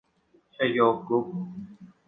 ชโย กรุ๊ป